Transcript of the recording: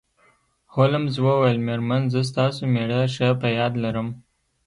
هولمز وویل میرمن زه ستاسو میړه ښه په یاد لرم